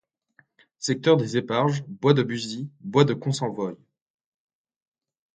Secteur des Éparges, bois de Buzy, bois de Consenvoye.